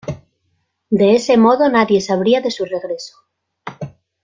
De ese modo, nadie sabría de su regreso.